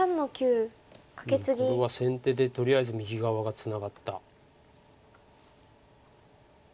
ここが先手でとりあえず右側がツナがった。